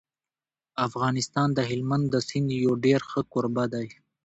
افغانستان د هلمند د سیند یو ډېر ښه کوربه دی.